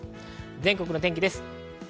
全国の天気です。